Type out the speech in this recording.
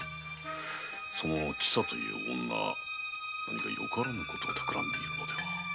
その千佐という女何かよからぬことをたくらんでおるのでは？